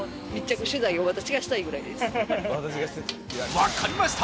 わかりました！